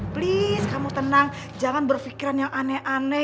please kamu tenang jangan berpikiran yang aneh aneh